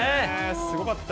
すごかった。